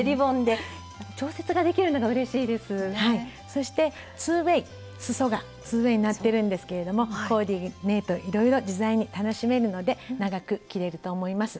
そして２ｗａｙすそが２ｗａｙになってるんですけれどもコーディネートいろいろ自在に楽しめるので長く着れると思います。